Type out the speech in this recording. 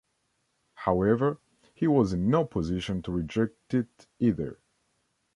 However, he was in no position to reject it either.